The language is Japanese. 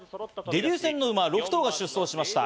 デビュー戦の馬、６頭が出走しました。